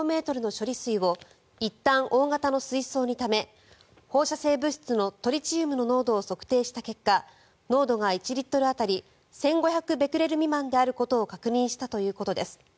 処理水をいったん大型の水槽にため放射性物質のトリチウムの濃度を測定した結果濃度が１リットル当たり１５００ベクレル未満であることを確認したということです。